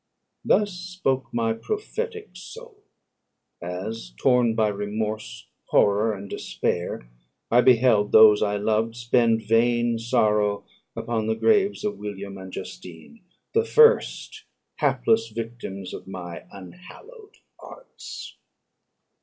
Thus spoke my prophetic soul, as, torn by remorse, horror, and despair, I beheld those I loved spend vain sorrow upon the graves of William and Justine, the first hapless victims to my unhallowed arts.